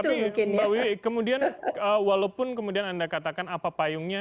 tapi mbak wi kemudian walaupun anda katakan apa payungnya